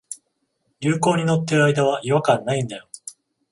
流行に乗ってる間は違和感ないんだよ